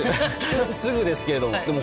すぐですけれども。